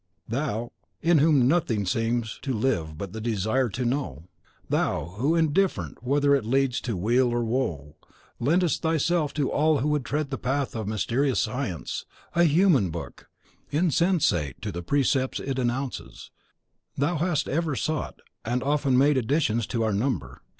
Thou, in whom nothing seems to live BUT THE DESIRE TO KNOW; thou, who, indifferent whether it leads to weal or to woe, lendest thyself to all who would tread the path of mysterious science, a human book, insensate to the precepts it enounces, thou hast ever sought, and often made additions to our number.